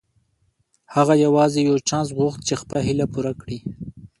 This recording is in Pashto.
هغه يوازې يو چانس غوښت چې خپله هيله پوره کړي.